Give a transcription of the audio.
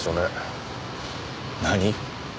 何？